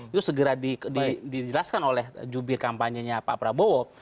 itu segera dijelaskan oleh jubir kampanye nya pak prabowo